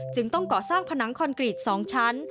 จึงต้องก่อสร้างผนังคอนกรีต๒ชั้น